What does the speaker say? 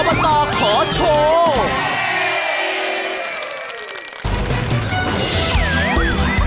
กับพวกออเบอตตอร์ขอโชว์